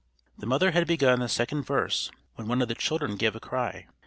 The mother had begun the second verse when one of the children gave a cry.